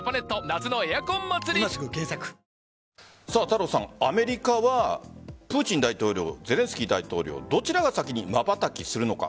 太郎さん、アメリカはプーチン大統領ゼレンスキー大統領どちらが先にまばたきするのか。